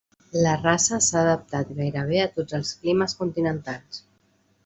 La raça s'ha adaptat gairebé a tots els climes continentals.